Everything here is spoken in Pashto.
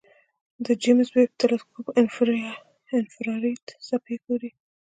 د جیمز ویب تلسکوپ انفراریډ څپې ګوري.